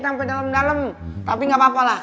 sampe dalem dalem tapi gak apa apa lah